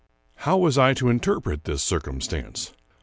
How was I to interpret this circumstance?